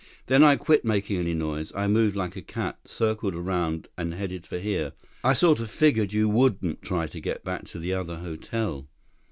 Then I quit making any noise. I moved like a cat, circled around, and headed for here. I sort of figured you wouldn't try to get back to the other hotel."